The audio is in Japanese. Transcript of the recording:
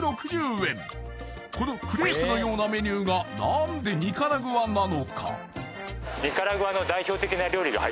このクレープのようなメニューが何でニカラグアなのか？